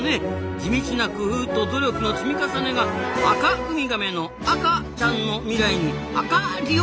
地道な工夫と努力の積み重ねがアカウミガメのアカちゃんの未来にアカリをともしているってわけですな。